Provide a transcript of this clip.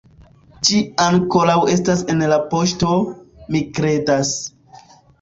Ĝi ankoraŭ estas en la poŝto, mi kredas